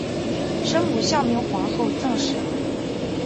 生母孝明皇后郑氏。